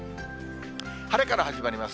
晴れから始まります。